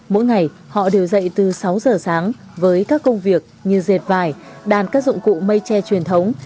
mỗi ngày họ đều dậy từ sáu giờ sáng với các công việc như dệt vải đàn các dụng cụ mây tre truyền thống